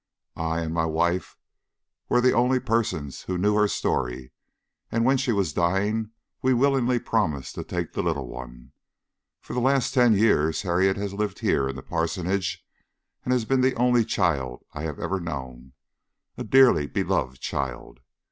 I and my wife were the only persons who knew her story, and when she was dying we willingly promised to take the little one. For the last ten years Harriet has lived here in the parsonage and has been the only child I have ever known, a dearly beloved child.